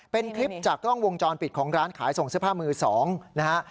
เป็นคลิปจากกล้องวงจรปิดของร้านขายส่งเสื้อผ้ามือสองนะฮะ